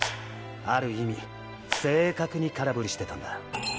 ある意味「正確」に空振りしてたんだ。